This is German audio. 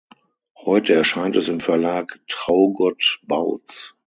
Heute erscheint es im Verlag Traugott Bautz.